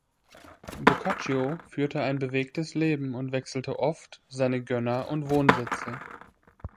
Boccaccio führte ein bewegtes Leben und wechselte oft seine Gönner und Wohnsitze.